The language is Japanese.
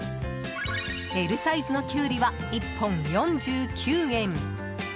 Ｌサイズのキュウリは１本４９円。